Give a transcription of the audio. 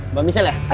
mbak misal ya